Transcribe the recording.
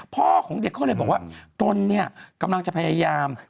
พ่อของเด็กเขาเลยบอกว่าตนเนี่ยกำลังจะพยายาม